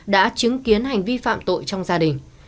đã chứng kiến hành vi phạm tội trong gia đình